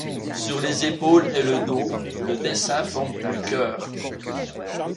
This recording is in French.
Sur les épaules et le dos, le dessin forme un cœur.